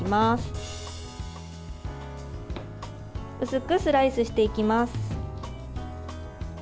薄くスライスしていきます。